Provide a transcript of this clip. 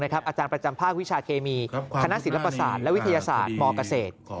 อาจารย์ประจำภาควิชาเคมีคณะศิลปศาสตร์และวิทยาศาสตร์มเกษตร